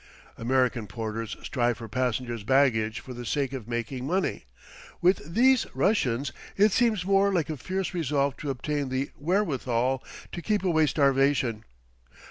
American porter's strive for passengers' baggage for the sake of making money; with these Russians, it seems more like a fierce resolve to obtain the wherewithal to keep away starvation.